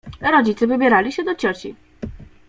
Rodzice wybierali się do cioci.